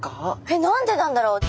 えっ何でなんだろう？